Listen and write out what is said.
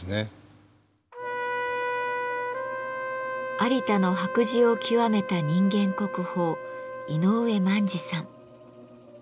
有田の白磁を極めた人間国宝井上萬二さん。